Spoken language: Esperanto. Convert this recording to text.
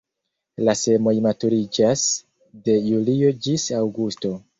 La semoj maturiĝas de julio ĝis aŭgusto.